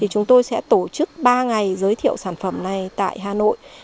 chúng tôi sẽ tổ chức ba ngày giới thiệu sản phẩm này tại hà nội